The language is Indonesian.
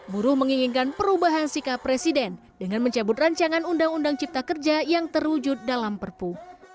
buruh menginginkan perubahan sikap presiden dengan mencabut rancangan undang undang cipta kerja yang terwujud dalam perpu